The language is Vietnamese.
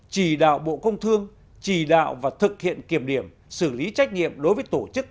chỉ đạo bộ công thương chỉ đạo và thực hiện kiểm điểm xử lý trách nhiệm đối với tổ chức